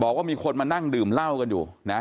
บอกว่ามีคนมานั่งดื่มเหล้ากันอยู่นะ